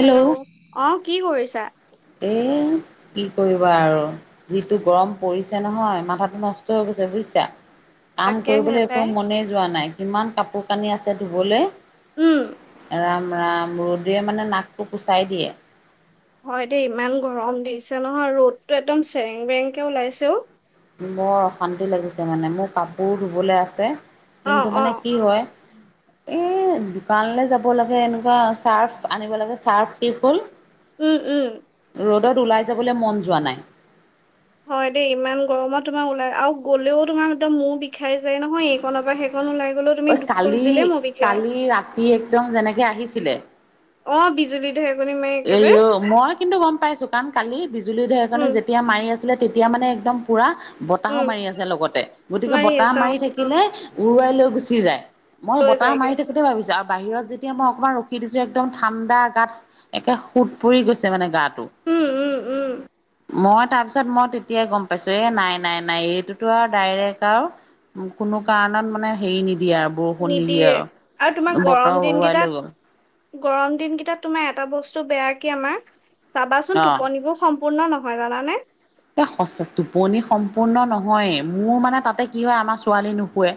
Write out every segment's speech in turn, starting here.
Hello, অ কি কৰিছা? এ কি কৰিবা আৰু যিটো গৰম পৰিছে নহয় মাথাটো নষ্ট হৈ গৈছে বুইছা কাম কৰিবলে তাকেহে একো পাই মনে যোৱা নাই কিমান কাপোৰ কানি আছে ধুবলে উম ৰাম ৰাম ৰ'দ দে মানে নাকটো কুচাই দিয়ে হয় দেই ইমান গৰম দিছে নহয় ৰ'দটো একদম চেৰেং বেৰেংকে ওলাইছে অ বৰ অশান্তি লাগিছে মানে মোৰ কাপোৰ ধুবলে আছে অ কিন্তু অ মানে কি হয় এ দোকানলে যাব লাগে এনেকুৱা চাৰ্ফ আনিব লাগে চাৰ্ফ শেষ হ'ল উম উম ৰ'দত ওলাই যাবলে মন যোৱা নাই হয় দেই ইমান গৰমত তোমাৰ ওলাই আৰু গলেও তোমাৰ একদম মূৰ বিষাই যায় নহয় এইকনৰ পৰা সেইকন ওলাই গলো ঐ কালি কালি ৰাতি একদম যেনেকে আহিছিলে অ বিজুলী ধেৰকনি মাৰি একেবাৰে এইও মই কিন্তু গম পাইছো, কাৰণ কালি বিজুলী ধেৰেকনি উম যেতিয়া মাৰি আছিলে তেতিয়া মানে একদম পুৰা বতাহও উম মাৰি আছে লগতে গতিকে বতাহ আছে অ মাৰি থাকি লে উৰুৱাই লৈ গুচি যায় মই লৈ বতাহ যায়গে মাৰি থাকোতে ভাবিছো আৰু বাহিৰত যেতিয়া মই অকমান ৰখি দিছো একদম ঠাণ্ডা গাত একে সোত পৰি গৈছে মানে গাত উম উম উম মই তাৰপিছত মই তেতিয়াই গম পাইছো এ নাই নাই নাই এইটোতো আও ডাইৰেক্ট আও কোনো কাৰণত মানে হেৰি নিদিয়ে আও নিদিয়ে আৰু তোমাৰ গৰম দিন উৰুৱাই লৈ গ'ল কেইটাত গৰম দিন কেইটাত তোমাৰ এটা বস্তু বেয়া কি আমাৰ চাবাচোন অ টোপনিবোৰ সম ম্পূৰ্ণ নহয় জানানে এ সঁচ টোপনি সম্পূৰ্ণ নহয়ে মোৰ মানে তাতে কি হয় আমাৰ ছোৱালী নুশুৱে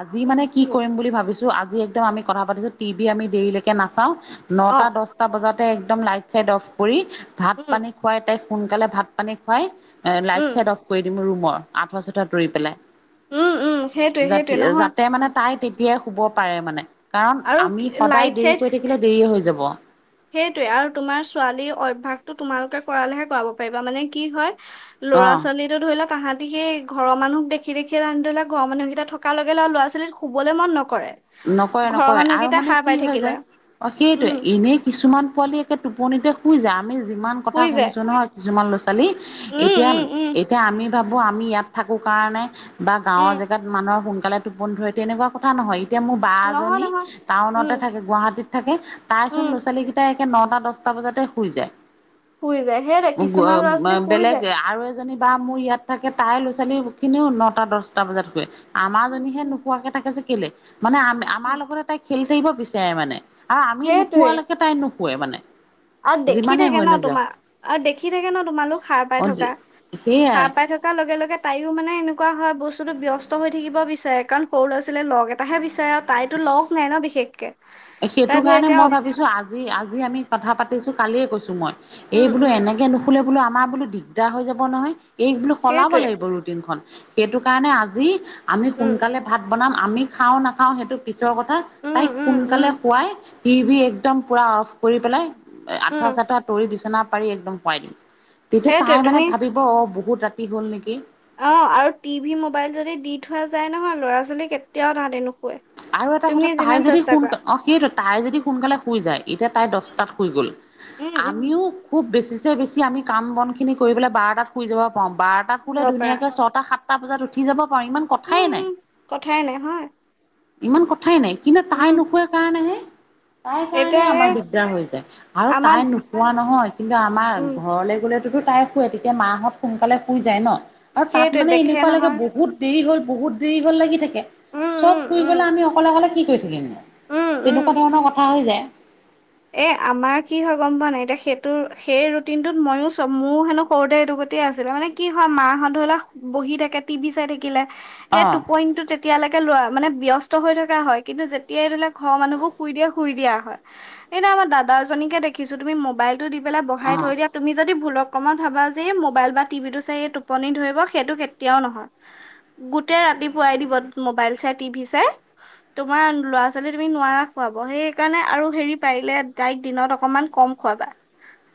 আজি উম, মানে কি উম, কৰিম বুলি ভাবিছো আজি একদম আমি কথা পাতিছো টিভি আমি দেৰিলেকে নাচাওঁ নটা, অ', দশটা বজাতে একদম লাইট চাইট অফ কৰি, ভাত পানী উম, খুৱাই তাইক সোনকালে ভাত পানী খুৱাই লাইট উম, চাইট অফ কৰি দিম ৰুমৰ আথুৱা চাথুৱা তৰি উম, উম, সেইটোৱে পেলাই যা সেইটোৱে নহয় যাতে মানে তাই তেতিয়াই শুব পাৰে মানে কাৰণ আৰু আমি সদায় লাইট দেৰি চাইট কৰি থাকিলে দেৰিয়ে হৈ যাব সেইটোৱে আৰু তোমাৰ ছোৱালী অভ্যাসটো তোমালোকে কৰালেহে কৰাব পাৰিবা মানে কি হয় অ'। ল'ৰা-ছোৱালী ধৰিলক আহাঁতি সেই ঘৰৰ মানুক দেখি দেখিয়ে তাহাতি ধৰি লোৱা ঘৰ মানুহকেইটা থকালৈকে আৰু ল'ৰা-ছোৱালী শুবলে মন নকৰে নকৰে ঘৰৰ নকৰে আৰু মানুহকেইটা মানে সাৰ কি পাই হয় থাকিলে যায় অ সেইটোৱে উম এনেই কিছুমান পোৱালি একে টোপনিতে শুই যায়। আমি যিমান কথা শুই যায় শুনিছোঁ নহয় কিছুমান ল'ৰা-ছোৱালী উম এতিয়া উম উম এতিয়া আমি ভাবো আমি ইয়াত থাকো কাৰণে বা গাঁৱৰ উম জেগাত মানুহৰ সোনকালে টোপন ধৰে তেনেকুৱা কথা নহয় এতিয়া মোৰ বা নহয় এজনী নহয় উম টাউনতে থাকে গুৱাহাটীত থাকে তাইচোন উম ল'ৰা-ছোৱালী খিনি একে নটা, দশটা বজাতে শুই যায় শুই যায় সেইটোৱে গো কিছুমান ল'ৰা ছোৱালী শুই বেলেগ যায়। আৰু এ জনি বা মোৰ ইয়াত থাকে তাই ল'ৰা-ছোৱালী খিনিও নটা-দশটা বজাত শুৱে আমাৰ জনীহে নোশুৱাকে থাকে যে কেলে মানে আ আমাৰ লগতে তাই খেলি থাকিব বিচাৰে মানে আৰু আমি সেইটোৱে নোশুৱালেকে তাই নুশুৱে মানে আৰু দেখি যিমানেই থাকে হৈ ন' নাযাওক তোমাৰ অ দেখি থাকে ন' তোমালোক সাৰ পাই থকা অ' সেইয়াই সাৰ পাই থকা লগে লগে তাইও মানে এনেকুৱা হয়, বস্তুটো ব্যস্ত হৈ থাকিব বিচাৰে কাৰণ সৰু ল'ৰা-ছোৱালীয়ে লগ এটাহে বিচাৰে। তাইতো লগ নাই ন' বিশেষকে। সেইটো তাই ধৰ কাৰণে এতিয়া মই ভাবিছোঁ আজি আজি আমি কথা পাতিছোঁ কালিয়ে কৈছোঁ মই। এই উম বোলো উম এনেকে নুশুলে বোলো আমাৰ বোলো দিগদাৰ হৈ যাব নহয়। এইক বোলো সলাব সেইটোৱে লাগিব ৰুটিনখন, সেইটো কাৰণে আজি আমি উম সোনকালে ভাত বনাম আমি খাওঁ নাখাও সেইটো পিছৰ কথা, তাই উম উম উম সোনকালে শোৱাই টিভি একদম পুৰা অ'ফ কৰি পেলাই। উম আঠুৱা-চাঠুৱা তৰি বিচনা পাৰি একদম শোৱাই দিম। তেতিয়া সেইটোৱে তাই মানে তুমি ভাবিব অ', বহুত ৰাতি হ'ল নেকি! অ', আৰু টিভি, মোবাইল যদি দি থোৱা যায় নহয়, ল'ৰা-ছোৱালী কেতিয়াও তাহাতি নোশোৱে। আৰু এটা কথা তাই যদি সোন অ', সেইটোৱে তাই যদি সোনকালে শুই যায়, এতিয়া তাই দহটাত শুই গ'ল। উম উম আমিও খুব বেছিছে বেছি আমি কাম বনখিনি কৰি পেলাই বাৰটাত শুই যাব পাৰোঁ, বাৰটাত শুই শুলে যাব পাৰা ধুনীয়াকৈ ছটা সাত টা বজাত উঠি যাব পাৰোঁ, ইমান উম কথাই নাই। উম কথাই নাই হয়। ইমান কথাই নাই কিন্তু তাই উম নোশোৱে কাৰণেহে, তাই এতিয়া কাৰণেই আমাৰ সেই দিগদাৰ হৈ যায়। আৰু আমাৰ তাই নুশুৱা নহয় কিন্তু আমাৰ উম ঘৰলে গ'লেতোতো তাই নুশোৱে তেতিয়া মাহত সোনকালে শুই যায় ন' আৰু তাত সেইটোৱে মানে দেখে এনেকুৱা লাগে নহয় বহুত দেৰি হ'ল বহুত দেৰি হ'ল লাগি থাকে, উম উম চব শুই উম গ'লে আমি অকলে অকলে কি কৰি থাকিমনো। উম উম তেনেকুৱা ধৰণৰ কথা হৈ যায়। এ আমাৰ কি হয় গ'ম পোৱা নাই, এতিয়া সেইটো সেই ৰুটিনটোত ময়ো চব ময়ো হেনো সৰুতে এইটো গতিয়ে আছিলো, মানে কি হয় মাহঁত ধৰি ল' বহি থাকে, টিভি চাই থাকি লে অ সেই টোপনিটো তেতিয়ালৈকে লৰা মানে ব্যস্ত হৈ থকা হয়, কিন্তু যেতিয়াই ধৰি ল' ঘৰ মানুহবোৰ শুই দিয়ে শুই দিয়া হয়। [inaudible] সেইদিনা আমাৰ দাদাৰজনীকে দেখিছো তুমি মোবাইলটো দি পেলাই বহাই অ থৈ দিয়া তুমি যদি ভুলক্ৰমত ভাবা যে এই মোবাইল বা টিভিটো চাই টোপনি ধৰিব সেইটো কেতিয়াও নহয়। গোটেই ৰাতিপুৱাই দিব মোবাইল চাই, টিভি চাই। তোমাৰ ল'ৰা-ছোৱালী তুমি নোৱাৰা শুৱাব। সেইেকাৰণে আৰু হেৰি পাৰিলে তাইক দিনত অকমান ক'ম খোৱাবা।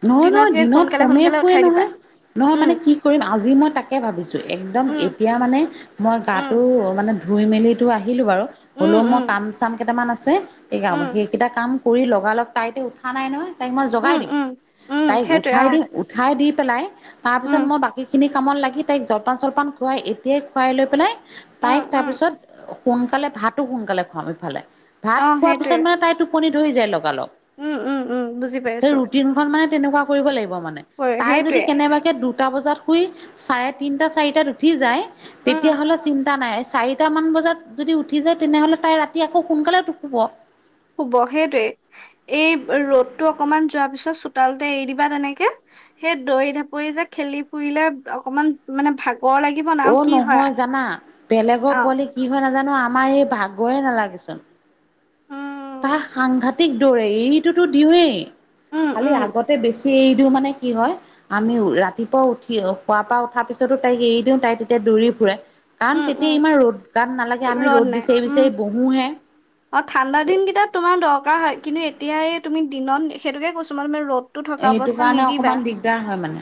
নহয় নহয় দিনত কমে শুৱে উঠাই দিবা নহয়। নহয় উম মানে কি কৰিম আজি মই তাকে ভাবিছো, একদম উম এতিয়া মানে মই উম গাটো মানে ধুই মেলিটো আহিলো বাৰু, উম হ'লেও মই উম কাম-চাম কেইটামান আছে এই উম সেইকেইটা কাম কৰি লগালগ তাই এতিয়া উঠা নাই নহয়, তাইক মই জগাই উম দিম। উম উম তাইক সেইটোৱে উঠাই অ দিম উঠাই দি পেলাই, তাৰ উম পিছত মই বাকীখিনি কামত লাগি তাইক জলপান-চলপান খুৱাই এতিয়াই খুৱাই লৈ পেলাই, উম তাইক তাৰ উম পিছত সোনকালে ভাতো সোনকালে খুৱাম ইফালে, ভাত অ খোৱাৰ সেইটোৱে পিছত মানে তাই টোপনি ধৰি যায় লগা লগ। উম, উম, উম, বুজি পাইছো। খন মানে তেনেুৱা কৰিব লাগিব মানে, হয়, তাই যদি সেইটোৱে কেনেবাকে দুটা বজাত শুই চাৰে তিনটা চাৰিটাত উঠি যায়। উম তেতিয়াহ'লে চিন্তা নাই, এই চাৰিটা মান বজাত যদি উঠি যায় তেনেহ'লে তাই ৰাতি আকৌ সোনকালে শুব। শুব, সেইটোৱে এই ৰ'দটো অকমান যোৱাৰ পিছত চোতালতে এৰি দিবা তেনেকে। সেই দৰি ঢাপৰি যে খেলি ফুৰিলে অকমান মানে ভাগ ক' লাগিব নেকি? অ, নহয় জানা বেলেগৰ অ', পোৱালি কি হয় নাজানো? আমাৰ এইৰ ভাগৰেই নালাগেচোন। তাই উম, সাংঘাতিক দৌৰে এৰিটোতো দিওঁৱেই। উম, খালি উম, আগতে বেছি এৰি দি মানে কি হয়? আমি উঠি ৰাতিপুৱা উঠি শুৱাৰ পৰা উঠাৰ পিছতো তাইক এৰি দিওঁ তাই তেতিয়া দৌৰি ফুৰে। কাৰণ উম, উম তেতিয়া ইমান ৰ'দ গান নালাগে আমি ৰ'দ নাই বিচাৰি, উম। বিচাৰি বহোহে। অ, ঠাণ্ডা দিনকেইটাত তোমাৰ দৰকাৰ হয়। কিন্তু এতিয়াই তুমি দিনত সেইটোকে কৈছো মই মানে ৰ'দ থকা এইটো অৱস্থাত কাৰণে নিদিবা। অকমান দিগদাৰ হয় মানে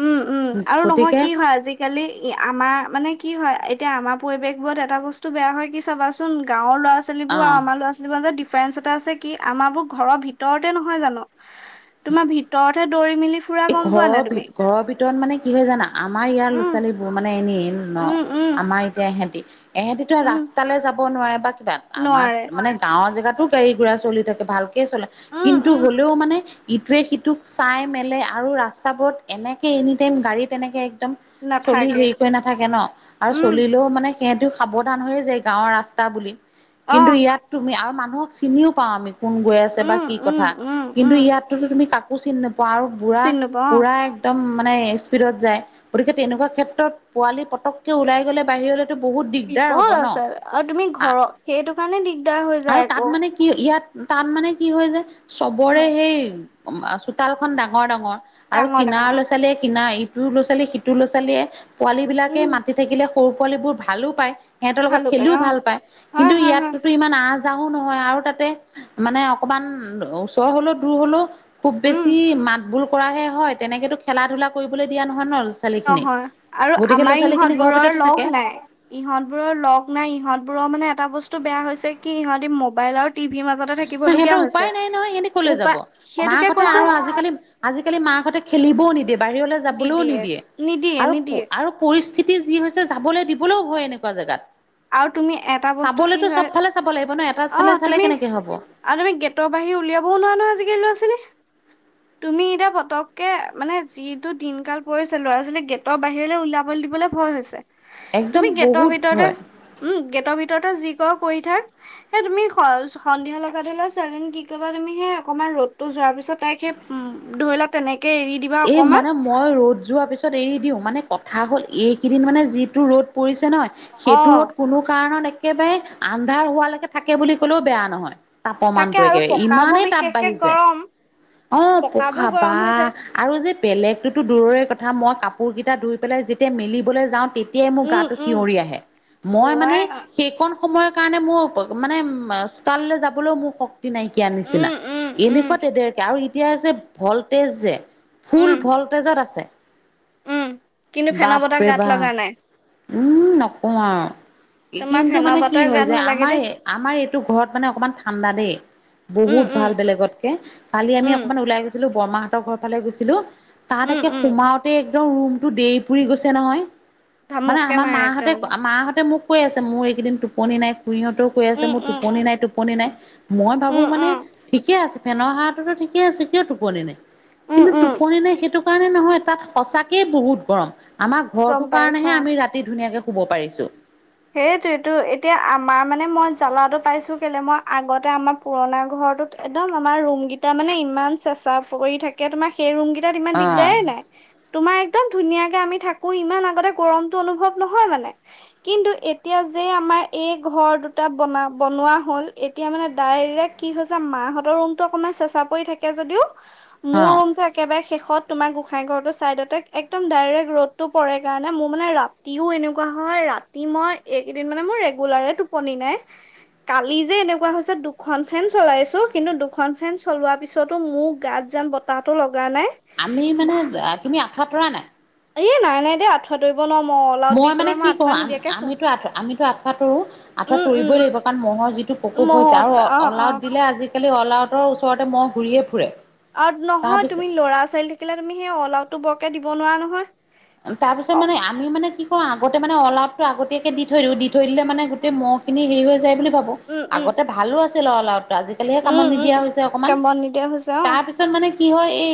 উম, উম আৰু নহয় গতিকে কি হয়, আজি খালি আমাৰ মানে কি হয় এতিয়া আমাৰ পৰিৱেশবোৰত এটা বস্তু বেয়া হয় কি চাবাচোন গাঁৱৰ ল'ৰা ছোৱালীবোৰ আৰু অ আমাৰ লৰা ছোৱালীৰ মাজত ডিফাৰেন্ঞ্চ এটা আছে কি? আমাৰ বোৰ ঘৰৰ ভিতৰতে নহয় জানো, তোমাৰ ভিতৰতে দৌৰি, মেলি ফুৰা এই গম পোৱা নাই ঘৰৰ ভি, তুমি? ঘৰৰ ভিতৰত মানে কি হয় জানা? আমাৰ ইয়াৰ ল'ৰা উম, -ছোৱালীবোৰ মানে এনেই ন। উম, উম, আমাৰ এতিয়া এহেতি এহেতিত উম, ৰাস্তালৈ যাব নোৱাৰে বা কিবা আমাৰ নোৱাৰে। মানে গাঁৱৰ জেগাতো গাড়ী ঘোৰা চলি থাকে। ভালকে চলে উম, কিন্তু উম, হ'লেও মানে ইটোৱে, সিটোক চাই মেলে আৰু ৰাস্তাবোৰত এনেকৈ এনিটাইম গাড়ী তেনেকৈ একদম চলি নাথাকে। হেৰি কৰি নাথাকে ন আৰু উম, চলিলেও মানে সিহঁতটো সাৱধান হৈয়ে যায় গাঁৱৰ ৰাস্তা বুলি কিন্তু অহ, ইয়াত তুমি আৰু মানুহক চিনিও পাওঁ আমি। কোন গৈ আছে বা উম, কি উম, কথা উম, কিন্তু উম, ইয়াততো তুমি কাকো চিনি নোপোৱা আৰু পুৰা, চিনি নোপোৱা অ'। পুৰা এক -দম মানে স্পীডত যায়। গতিকে তেনেকুৱা ক্ষেত্ৰত পোৱালি পটকে ওলাই গ'লে বাহিৰলৈ বহুত দিগদাৰ হ'ব বিপদ ন আছে আৰু তুমি ঘৰত সেইটো কাৰণে দিগদাৰ হৈ আৰু যায় তাত আকৌ। মানে কি ইয়াত তাত মানে কি হয় যে উম, চবৰে সেই চোতালখন ডাঙৰ ডাঙৰ, ডাঙৰ আৰু ডাঙৰ কিনাৰ ডাঙৰ। লৰা- ছোৱালীয়ে কিনা ইটো ল'ৰা -ছোৱালী সিটো ল'ৰা- ছোৱালীয়ে। পোৱালী বিলাকে উম, মাতি থাকিলে, সৰু পোৱালীবোৰ ভালো পায়। সিহঁতৰ লগত ভালো খেলিও অ'। ভাল পায়। হয় কিন্তু হয় হয় ইয়াতোত ইমান আজ যাওঁ নহয় আৰু তাতে মানে অকমান ওচৰ হলেও, দূৰ হলেও খুৱ উম বেছি মাত বোল কৰাহে হয়। তেনেকেতো খেলা ধূলা কৰিবলৈ দিয়া নহয় ন? ছোৱালী খিনিক নহয় আৰু গতিকে ল'ৰা আমাৰ ছোৱালী খিনি ইহঁত ঘৰৰ বোৰৰ ভিতৰতে থাকে লগ নাই। এইহঁতবোৰৰ লগ নাই। এইহঁতবোৰৰ মানে এটা বস্তু বেয়া হৈছে কি? এইহঁতে মোবাইলত টিভি মাজতে থাকিবলগীয়া সেইহঁতৰ হৈছে উপায়েই নাই নহয়, সেইহঁতে ক'লে যাব। উপায় সেইটোকে মাকহঁতে কৈছো আৰু আজিকালি আজিকালি মাকহঁতে খেলিব নিদিয়ে, বাহিৰলৈ যাবলৈও নিদিয়ে নিদিয়ে আৰু নিদিয়ে আৰু পৰিস্থিতি যি হৈছে যাবলৈ দিবলৈ ভয় এনেকুৱা জাগাত। আৰু তুমি এটা বস্তু চাবলৈ কি তো সব হয় ফালে চাব লাগিব ন'। এটা, অ এটা চালে তুমি কেনেকৈ হ'ব। আৰু তুমি গেটৰ বাহিৰে ওলাবও নোৱাৰি নহয়, আজিকালি ল'ৰা -ছোৱালী। [unintelligible] তুমি এতিয়া ফটোকে মানে যিটো দিন কালি পৰিছে। ল'ৰা- ছোৱালী গেটৰ বাহিৰে ওলাব দিবলৈ ভয় হৈছে। একদম তুমি গেটৰ বহুত ভিতৰতে ভয় উম, গেটৰ ভিতৰতে যি কৰা কৰি থাক হয় তুমি কৰছ সন্ধিয়া হ'লে লগে লগে ছোৱালীজনী কি কৰিবা? তুমি সেই অকণমান ৰ'দটো যোৱাৰ পিছত তাইক উম, ধৰিল'ক তেনেকে এৰি দিবা এই অকমান মানে মই ৰ'দ যোৱাৰ পিছত এৰি দিওঁ মানে কথা হ'ল, এইকেইদিন মানে যিটো ৰ'দ পৰিছে নহয় অ সেইটো ৰ'দ কোনো কাৰণত একেবাৰে আন্ধাৰ হোৱা লোকে থাকে বুলি ক'লেও বেয়া নহয়। তাৰ থাকে প্ৰমাণটো আৰু একেবাৰে পকাবোৰ ইমানেই তাপ বিশেষকে বাঢ়িছে গৰম অ, পকাবোৰ পোখা বা। গৰম হৈ যায় আৰু যে বেলেগতোটো দূৰই কথা, মই কাপোৰ কেইটা ধুই পেলাই যেতিয়া মেলিবলৈ যাওঁ তে তেতিয়াই মোৰ উম গাটো উম খিয়ৰি আহে, মই মানে ওৱাই সেইকণ সময়ৰ কাৰণে, মোৰ মানে চোতাল লৈ যাবলৈও মোৰ শক টি, নাইকীয়া নিচিনা, উম উম উম এনেকুৱা [inaudible] আৰু এতিয়া যে, ভল্টেজ যে। ফুল উম ভল্টেজত আছে, উম কিন্তু ফেনৰ বতাহ বাপৰে গাত বাপ। লগা নাই উম, নকওঁ আৰু তোমাৰ কিন্তু ফেনৰ মানে কি বতাহ হৈ গাত যায়, নালাগে আমাৰ দেই আমাৰ এইটো ঘৰত মানে অকণমান ঠাণ্ডা দেই। উম বহুত উম ভাল বেলেগতকে, কালি আমি উম অকণমান ওলাই গৈছিলোঁ, বৰমাহঁতৰ ঘৰত ফালে গৈছিলোঁ, তাত উম একে উম সময়তে একদম ৰূমটো দেহ পুৰি গৈছে নহয়। মানে ধামুককে আমাৰ মাৰে মাহঁতে, একদম মাহঁতে মোক কৈ আছে, মোৰ এদিন টোপনি নাই। সিহঁতেও কৈ আছে, উম মোৰ উম টোপনি নাই, টোপনি নাই, মই উম ভাবোঁ মানে উম ঠিকেই আছে। ফেনৰ হাৱাটোতো ঠিকেই আছে, কিয় টোপনি নাই? উম কিন্তু উম টোপনি নাই সেইটো কাৰণে নহয়, তাত সঁচাকেই বহুত গৰম, আমাৰ গম ঘৰৰটো কাৰণে পাইছো হয় অ আমি ৰাতি তি, ধুনীয়াকে শুব পাৰিছোঁ। সেইটোৱেটো এতিয়া আমাৰ মানে মই জালাটো, পাইছোঁ কেলে, মই আগতে আমাৰ পুৰণা ঘৰটোত, একদম আমাৰ ৰুমকেইটা মানে ইমান চেঁচা পৰি থাকে। এতিয়া তোমাৰ সেই ৰূমকেইটাত ইমান অ দিগদাৰেই নাই। তোমাৰ একদম ধুনীয়াকে আমি থাকোঁ, ইমান আগতে গৰমটো অনুভৱ নহয় মানে। কিন্তু এতিয়া যে আমাৰ এই ঘৰ দুটা বনা, বনোৱা হ'ল এতিয়া মানে ডাইৰেক্ট। কি হৈছে, মাহঁতৰ ৰুমটো অকণমান চেঁচা পৰি থাকে যদিও অ মোৰ ৰুমটো এক একৰবাই শেষত তোমাৰ গোঁসাই ঘৰটো চাইডত এয়াই একদম, ডাইৰেক্ট ৰ'দটো পৰে কাৰণে মোৰ মানে ৰা ৰাতিও এনেকুৱা হয়, ৰাতি মই এদিন মানে মই ৰেগুলাৰেই টোপনি নাই। কালি যে এনেকুৱা হৈছে দুখন ফেন চলাইছোঁ, কিন্তু দুখন ফেন চলোৱাৰ পিছতো মোৰ গাত যেন, বতাহ তাহটো লগা নাই। আমি মানে, তুমি আঠুৱা তুৰা নাই। এই, নাই নাই দেই আঠ মই মানে কি কৰোঁ আমি, নিদিয়াকে শু আমিতো আমিতো আঠুৱা তৰোঁ। আঁঠত উম উম তৰিবই লাগিব, কাৰণ মহ'ৰ যিটো প্ৰকোপ হৈছে, আৰু মহত অ অ অলাউত দিলে আজি আজিকালি অলআউটৰ ওচৰতে মহ ঘূৰিয়েই ফুৰে। আৰু নহয় তাৰপিছত তুমি ল'ৰা-ছোৱালী থাকিলে তুমি সেই অলাউটো বৰকে দিব নোৱাৰা নহয়। তাৰ পিছত অ মানে আমিও মানে, কি কৰো আগতে মানে অল আউট টো, আগতীয়াকে দি থৈ দিওঁ, দি থৈ দিলে উম মানে গোটে উম মহখিনি হেৰি হৈ যায় বুলি ভাবো, উম উম আগতে ভালো আছিল অল আওটো আজিকালিহে উম, কাম'ত উম, নিদিয়া হৈছে অকনমান, কাম বন নিদিয়া হৈছে অ', তাৰ পিছ পিছত মানে কি হয় এই,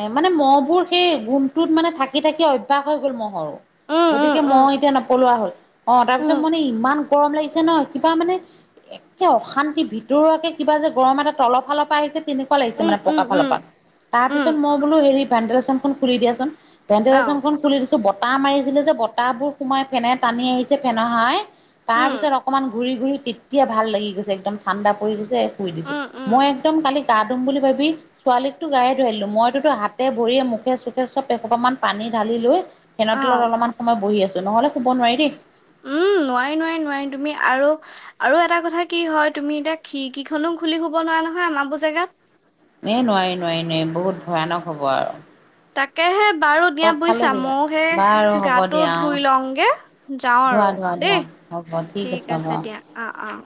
এই মানে মহবোৰ সেই গুমটোত মানে থাকি, থাকি অয় অয়ভাস হৈ গ'ল মহৰো, উম, উম, গতিকে মহ উম, এতিয়া নপলোৱা হ'ল অ, তাৰপিছত মানে উম, ইমান গৰম লাগিছে ন, কিবা মানে একে অশান্তি ভিতৰুৱাকে কিবা যে, গৰম এটা তলপ ফালৰ পৰা আহিছে। তেনেকুৱা লাগিছে মানে উম, পকা ফালৰ পা, তাৰ উম, উম, উম, পিছত মই বোলো হেৰি ভেণ্ডিলেচনখন খুলি দিয়াচোন। অ', ভেণ্ডিলেচনখন খুলি দিছো, বতাহ মাৰিছিলে যে, বতাহবোৰ সোমাই ফেনে টানি আহিছে ফেনৰ হাৱায়ে। তাৰ উম, পিছত অকমান ঘূৰি ঘূৰি তেতিয়া ভাল লাগি গৈছে, একদম ঠাণ্ডা পৰি গৈছে। ধুই দিছো, উম, উম, মই একদম কালি গা, ধুম বুলি ভাবি। ছোৱালীকতো গাইে ধুৱাই দিলো, মইতোটো হাতে, ভৰিয়ে, মুখে, চুখে চ'ব অসোপামান পানী ঢালি লৈ, ফেনৰ তেলত অ', অলপমান সময় বহি আছো, নহ'লে শুব নোৱাৰি দেই। উম, নোৱাৰি নোৱাৰি নোৱাৰি তুমি আৰু আৰু এটা কথা কি হয় তুমি এতিয়া খিৰকিখনো খুলি শুব নোৱাৰা নহয় আমাৰ বোৰ জেগাত। এই নোৱাৰি নোৱাৰি নোৱাৰি বহুত ভয়ানক হ'ব আৰু। তাকেহে বাৰু দিয়া চব ফালে বুইছে বিঘা ময়ো সেই, বাৰু হ'ব গাটো দিয়া অ ধুই লওঁগে। যাওঁ ধোৱা আৰু ধোৱা ধোৱা দেই, হ'ব ঠিক হ'ব আছে দিয়া অ', অ'।